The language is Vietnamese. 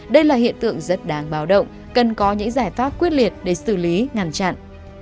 đây là hiện tượng rất đáng báo động cần có những giải pháp quyết liệt để xử lý ngăn chặn